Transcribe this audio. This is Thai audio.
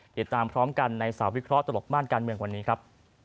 ติดตามพร้อมกันในสาววิเคราะหลบม่านการเมืองวันนี้ครับ